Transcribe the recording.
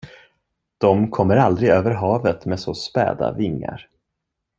De kommer aldrig över havet med så späda vingar.